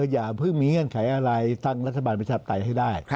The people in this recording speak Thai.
อย่าเพิ่งมีเงื่อนไขอะไรตั้งรัฐบาลประชาปไตยให้ได้